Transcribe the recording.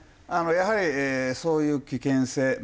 やはりそういう危険性まあ